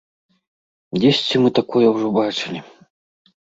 Дзесьці мы такое ўжо бачылі.